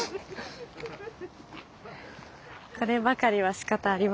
こればかりはしかたありません。